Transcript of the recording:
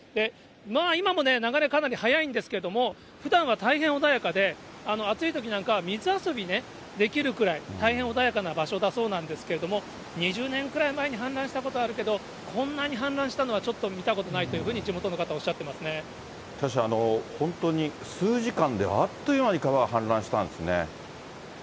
今もね、流れ、かなり速いんですけれども、ふだんは大変穏やかで、暑いときなんかは、水遊びできるくらい、大変穏やかな場所なんだそうですけれども、２０年ぐらい前に氾濫したことあるけど、こんなに氾濫したのは、ちょっと見たことないというふうに、しかし、本当に数時間であっという間に川が氾濫したんですね。